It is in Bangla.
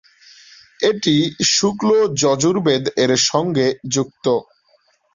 এটি "শুক্ল যজুর্বেদ"-এর সঙ্গে যুক্ত।